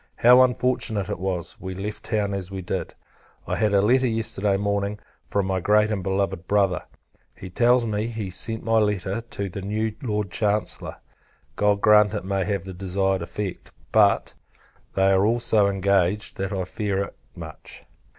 How unfortunate it was, we left town as we did! I had a letter, yesterday morning, from my great and beloved Brother. He tells me, he has sent my letter to the new Lord Chancellor; God grant it may have the desired effect; but, they are all so engaged, that I fear it much.